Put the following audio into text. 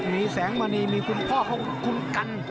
มีแสงมณีมีคุณพ่อของคุณกัน